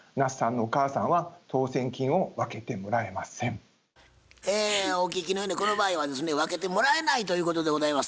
その意味でお聞きのようにこの場合はですね分けてもらえないということでございます。